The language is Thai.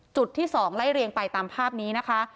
จุดที่๒ไล่เรียงไปตามภาพนี้นะคะ